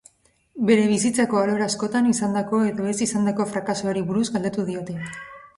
Bere bizitzako alor askotan izandako edo ez izandako frakasoari buruz galdetu diote.